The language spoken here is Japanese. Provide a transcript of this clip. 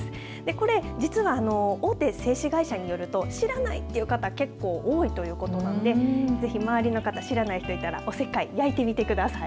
これ、実は大手製紙会社によると、知らないっていう方、結構多いということなんで、ぜひ周りの方、知らない人いたら、おせっかい焼いてみてください。